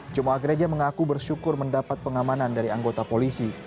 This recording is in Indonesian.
jemaah gereja mengaku bersyukur mendapat pengamanan dari anggota polisi